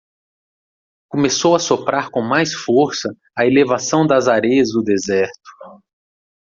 Começou a soprar com mais força a elevação das areias do deserto.